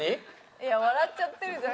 いや笑っちゃってるじゃん。